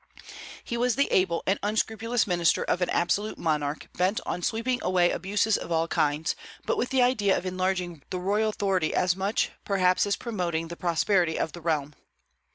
He was the able and unscrupulous minister of an absolute monarch, bent on sweeping away abuses of all kinds, but with the idea of enlarging the royal authority as much, perhaps, as promoting the prosperity of the realm.